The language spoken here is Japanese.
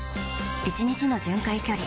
１日の巡回距離